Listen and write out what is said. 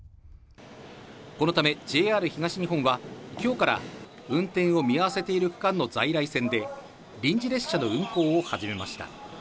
このためＪＲ東日本は、きょうから運転を見合わせている区間の在来線で、臨時列車の運行を始めました。